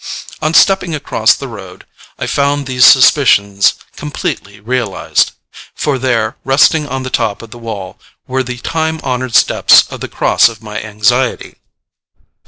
On stepping across the road, I found these suspicions completely realised; for there, resting on the top of the wall, were the time honoured steps of the cross of my anxiety.